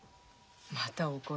また怒る。